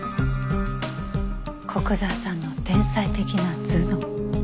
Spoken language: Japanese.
古久沢さんの天才的な頭脳。